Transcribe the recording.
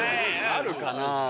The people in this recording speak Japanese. あるかな？